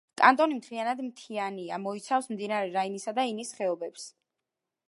კანტონი მთლიანად მთიანია, მოიცავს მდინარე რაინისა და ინის ხეობებს.